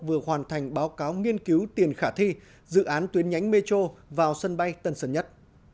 vừa hoàn thành báo cáo nghiên cứu tiền khả thi dự án tuyến nhánh metro vào sân bay tân sơn nhất